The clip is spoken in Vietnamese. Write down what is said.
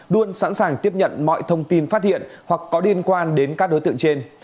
luôn sẵn sàng tiếp nhận mọi thông tin phát hiện hoặc có liên quan đến các đối tượng trên